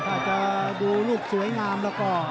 ก็จะดูลูกสวยงามแล้วก็